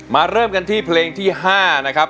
เริ่มกันที่เพลงที่๕นะครับ